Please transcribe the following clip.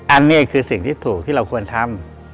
อันนี้คือสิ่งที่ถูกที่เราควรทำ